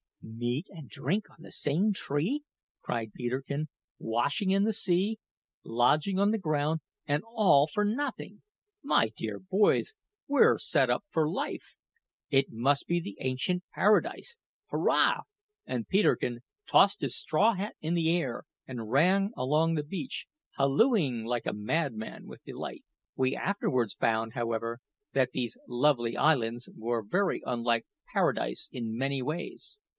"Meat and drink on the same tree!" cried Peterkin; "washing in the sea, lodging on the ground and all for nothing! My dear boys, we're set up for life! It must be the ancient Paradise hurrah!" and Peterkin tossed his straw hat in the air and ran along the beach, hallooing like a madman with delight. We afterwards found, however, that these lovely islands were very unlike Paradise in many things.